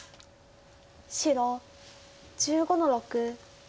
白１５の六。